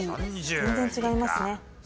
全然違いますね。